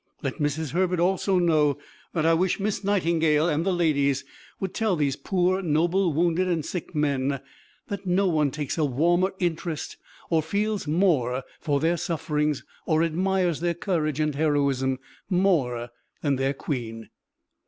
"Let Mrs. Herbert also know that I wish Miss Nightingale and the ladies would tell these poor, noble wounded and sick men, that no one takes a warmer interest or feels more for their sufferings or admires their courage and heroism more than their Queen.